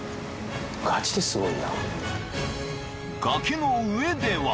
［崖の上では］